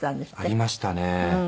ありましたね。